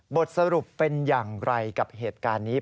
บทสรุปเป็นอย่างไรกับเหตุการณ์นี้